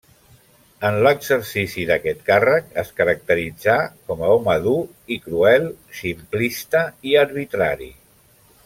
En l'exercici d'aquest càrrec es caracteritzà com a home dur i cruel, simplista i arbitrari.